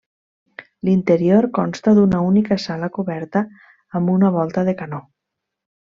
L'interior consta d'una única sala coberta amb una volta de canó.